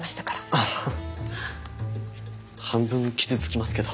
ああ半分傷つきますけど。